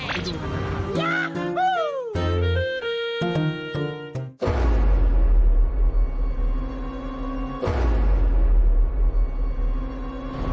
สวัสดีครับคุณผู้ชม